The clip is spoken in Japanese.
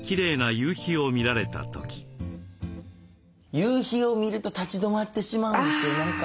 夕日を見ると立ち止まってしまうんですよ何か。